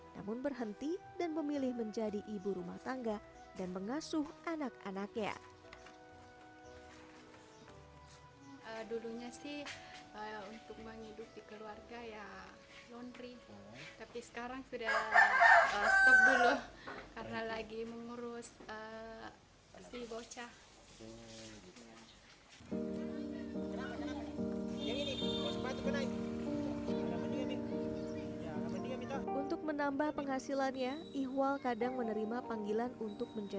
namun berhenti dan memilih menjadi ibu rumah tangga dan mengasuh anak anaknya